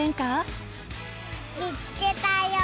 見つけたよ。